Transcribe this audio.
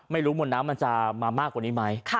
ไม่รู้หมดน้ำจะมามากกว่านี้ไหม